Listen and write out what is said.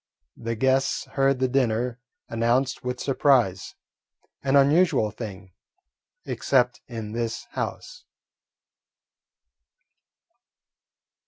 The guests heard the dinner announced with surprise, an unusual thing, except in this house.